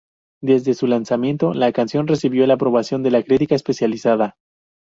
Desde su lanzamiento, la canción recibió la aprobación de la crítica especializada.